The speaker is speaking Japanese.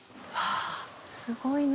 すごいね。